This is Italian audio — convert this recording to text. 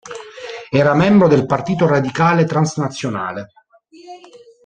Era membro del Partito Radicale Transnazionale.